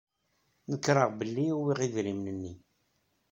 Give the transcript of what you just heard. Nekṛeɣ belli uwyeɣ idrimen-nni.